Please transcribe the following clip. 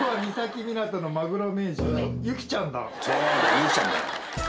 ゆきちゃんだよ。